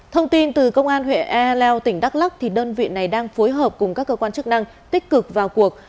thông tin từ công an huyện ea leo tỉnh đắk lắc đơn vị này đang phối hợp cùng các cơ quan chức năng tích cực vào cuộc